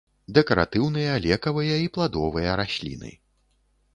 Дэкаратыўныя, лекавыя і пладовыя расліны.